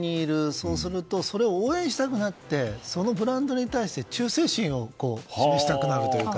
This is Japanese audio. そうするとそれを応援したくなってそのブランドに対して忠誠心を示したくなるというか。